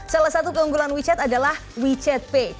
salah satu keunggulan wechat adalah wechat pay